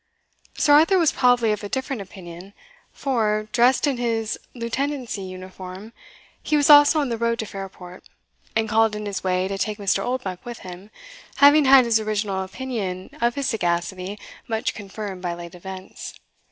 Sir Arthur was probably of a different opinion; for, dressed in his lieutenancy uniform, he was also on the road to Fairport, and called in his way to take Mr. Oldbuck with him, having had his original opinion of his sagacity much confirmed by late events.